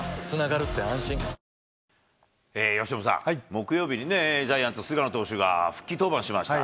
木曜日にジャイアンツ、菅野投手が復帰登板しました。